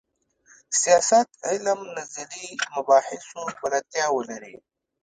سیاست علم نظري مباحثو بلدتیا ولري.